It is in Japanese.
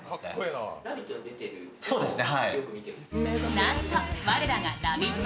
なんと我らがラヴィット！